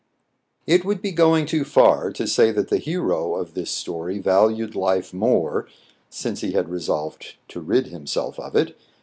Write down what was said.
It would be going too far to say that the hero of this story valued life more since he had resolved to rid himself of it.